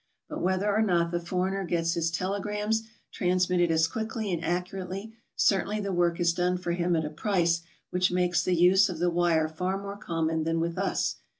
But whether or not the foreigner gets his telegrams transmitted as quickly and accurately, certainly the work is done for him at a price which makes the use of the wire far more common than with us.